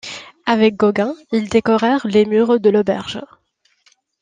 Avec Gauguin, ils décorèrent les murs de l'auberge.